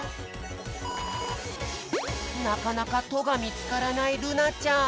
なかなか「と」がみつからないるなちゃん。